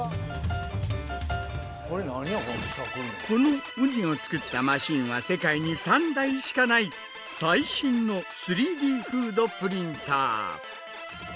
このウニを作ったマシンは世界に３台しかない最新の３Ｄフードプリンター。